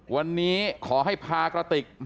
วันนี้ขอให้พากระติก